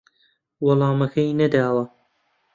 وەڵامەکەی نەداوە